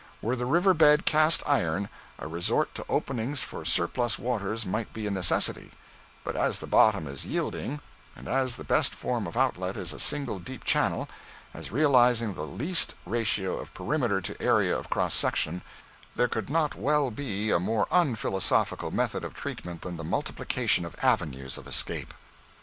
Were the river bed cast iron, a resort to openings for surplus waters might be a necessity; but as the bottom is yielding, and the best form of outlet is a single deep channel, as realizing the least ratio of perimeter to area of cross section, there could not well be a more unphilosophical method of treatment than the multiplication of avenues of escape.